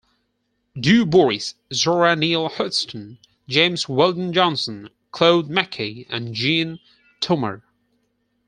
Du Bois, Zora Neale Hurston, James Weldon Johnson, Claude McKay and Jean Toomer.